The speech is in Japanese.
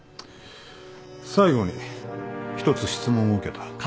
最後に１つ質問を受けた。